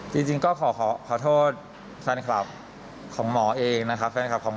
จริงก็ขอขอโทษแฟนคลับของหมอเองนะครับแฟนคลับของ